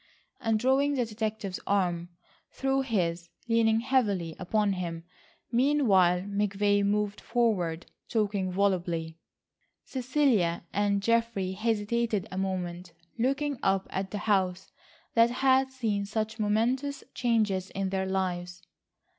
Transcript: and, drawing the detective's arm through his, leaning heavily upon him meanwhile, McVay moved forward, talking volubly. Cecilia and Geoffrey hesitated a moment looking up at the house that had seen such momentous changes in their lives.